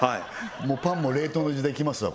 パンも冷凍の時代きますわ